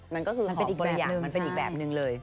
มันก็คือหอมปริหยังเป็นอีกแบบนึงเลย